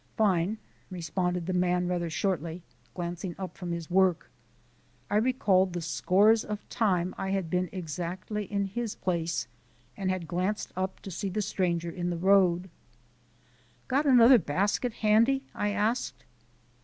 "Fine," responded the man rather shortly, glancing up from his work. I recalled the scores of times I had been exactly in his place, and had glanced up to see the stranger in the road. "Got another basket handy?" I asked.